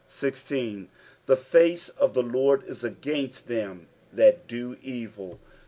16. " The fate of th^ Lord is against them that do ecil."